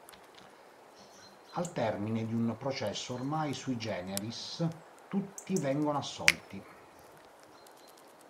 Al termine di un processo ormai "sui generis" tutti vengono assolti.